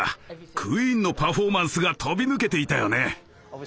クイーンのパフォーマンスが飛び抜けていたよね。